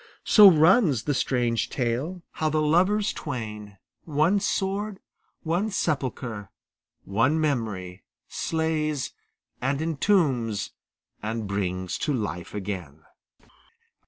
So runs the strange tale, how the lovers twain One sword, one sepulchre, one memory, Slays, and entombs, and brings to life again.